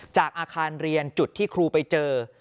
จากอาคารเรียนจุดที่ครูไปเจอ